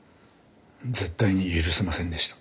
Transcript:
絶対に許せませんでした。